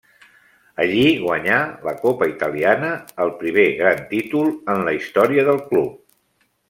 Allí guanyà la copa italiana, el primer gran títol en la història del club.